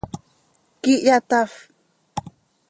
¿Quíihya tafp?